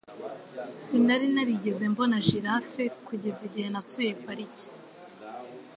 Sinari narigeze mbona giraffe kugeza igihe nasuye pariki.